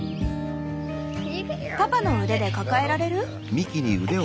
パパの腕で抱えられる？